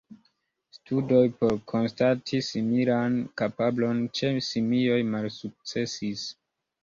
Studoj por konstati similan kapablon ĉe simioj malsukcesis.